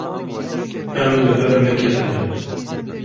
Em li ber neketine.